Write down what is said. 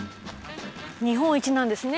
日本一なんですね